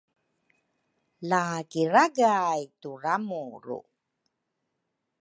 la kiragay turamuru